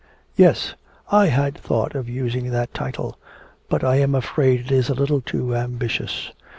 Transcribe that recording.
"Yes, I had thought of using that title, but I am afraid it is a little too ambitious.